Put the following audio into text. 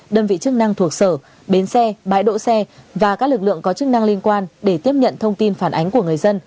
đơn vị chức năng thuộc sở bến xe bãi đỗ xe và các lực lượng có chức năng liên quan để tiếp nhận thông tin phản ánh của người dân